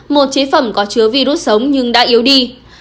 một chế phẩm có chứa virus sống nhưng đã yếu đi